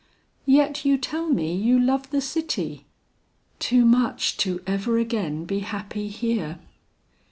"Yet you tell me you love the city?" "Too much to ever again be happy here."